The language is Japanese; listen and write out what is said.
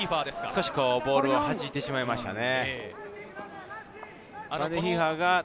少しボールを弾いてしまいましたね。